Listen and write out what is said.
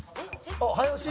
あっ早押し？」